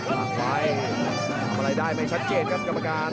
วางไว้ทำอะไรได้ไม่ชัดเจนครับกรรมการ